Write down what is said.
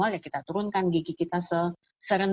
apalagi kalau sudah abs tekan saja sudah injak rem itu sering